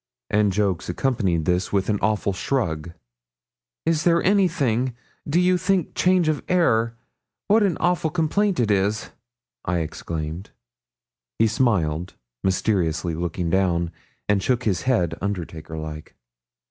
And Jolks accompanied this with an awful shrug. 'Is there anything? Do you think change of air? What an awful complaint it is,' I exclaimed. He smiled, mysteriously looking down, and shook his head undertaker like.